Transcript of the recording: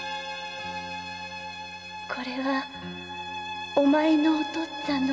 これはお前のお父っつぁんの形見。